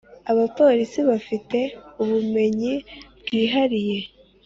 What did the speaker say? Abapolisi bafite ubumenyi bwihariye.